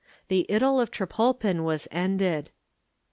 The idyl of Trepolpen was ended.